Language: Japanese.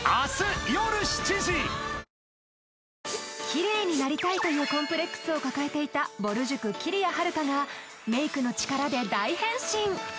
キレイになりたいというコンプレックスを抱えていたぼる塾きりやはるかがメイクの力で大変身！